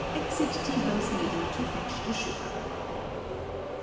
{Exit tea house maiden to fetch the sugar.)